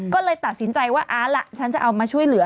ก็เลยตัดสินใจว่าเอาล่ะฉันจะเอามาช่วยเหลือ